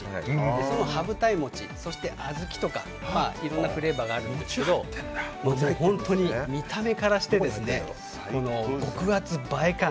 その羽二重餅、そして小豆とかいろんなフレーバーがありますが本当に見た目からして極厚映え感